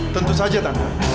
tentu saja tante